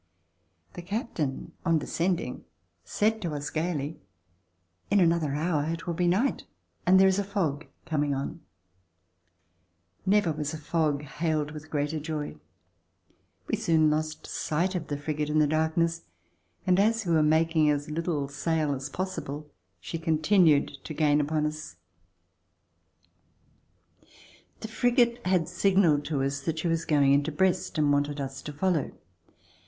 The captain on de scending said to us gayly: "In another hour it will be night, and there is a fog coming on." Never was a fog hailed with greater joy. We soon lost sight of the frigate in the darkness, and as we were making as little sail as possible, she continued to gain upon us, [i8o] VOYAGE TO I30ST0N The frigate had signalled to us that she was going into Brest and wanted us to follow.